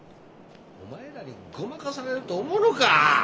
お前らにごまかされると思うのか？